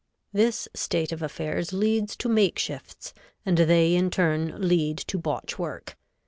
This state of affairs leads to makeshifts, and they in turn lead to botch work.